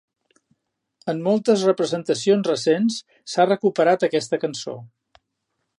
En moltes representacions recents, s'ha recuperat aquesta cançó.